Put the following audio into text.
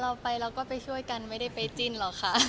เราไปเราก็ไปช่วยกันไม่ได้ไปจิ้นหรอกค่ะ